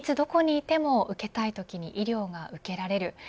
いつどこにいても受けたいときに医療が受けられる。